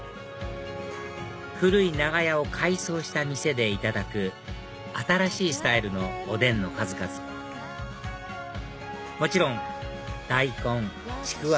古い長屋を改装した店でいただく新しいスタイルのおでんの数々もちろん大根ちくわ